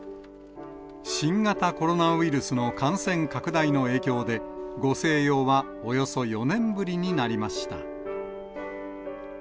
新型コロナウイルスの感染拡大の影響で、ご静養はおよそ４年ぶりになりました。